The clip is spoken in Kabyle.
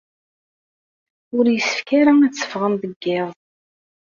Ur yessefk ara ad teffɣem deg yiḍ.